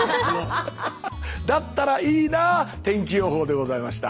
だったらいいな天気予報でございました。